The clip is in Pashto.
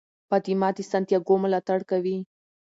فاطمه د سانتیاګو ملاتړ کوي.